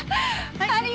ありがと